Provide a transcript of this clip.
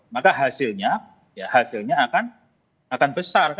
maka hasilnya hasilnya akan besar